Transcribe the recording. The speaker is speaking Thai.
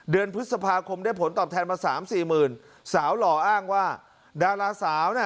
เดือนพฤษภาคมได้ผลตอบแทนมาสามสี่หมื่นสาวหล่ออ้างว่าดาราสาวน่ะ